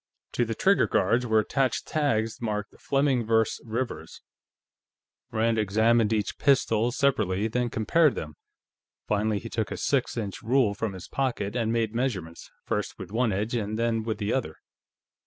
To the trigger guards were attached tags marked Fleming vs. Rivers. Rand examined each pistol separately, then compared them. Finally, he took a six inch rule from his pocket and made measurements, first with one edge and then with the other.